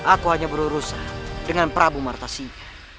aku hanya berurusan dengan prabu martasinya